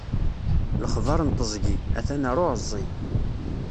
Lexbaṛ n teẓgi, a-t-an ar uɛeẓẓi.